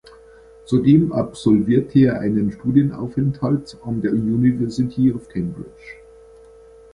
Zudem absolvierte er einen Studienaufenthalt an der University of Cambridge.